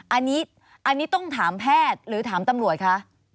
อันนี้ต้องถามแพทย์หรือถามตำรวจคะ